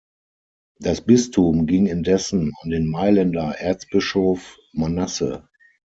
Das Bistum ging indessen an den Mailänder Erzbischof Manasse.